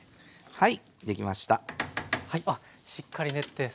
はい。